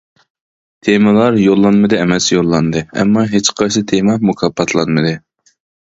تېمىلار يوللانمىدى ئەمەس يوللاندى ئەمما ھېچقايسى تېما مۇكاپاتلانمىدى.